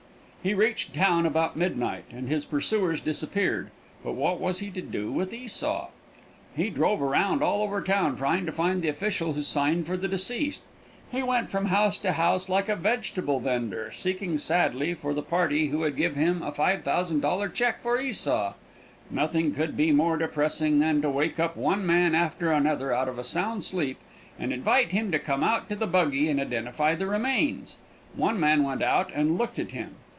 He reached town about midnight, and his pursuers disappeared. But what was he to do with Esau? He drove around all over town trying to find the official who signed for the deceased. He went from house to house like a vegetable vender, seeking sadly for the party who would give him a $5,000 check for Esau. Nothing could be more depressing than to wake up one man after another out of a sound sleep, and invite him to come out to the buggy and identify the remains. One man went out and looked at him.